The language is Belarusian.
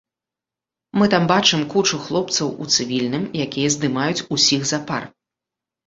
Мы там бачым кучу хлопцаў у цывільным, якія здымаюць усіх запар.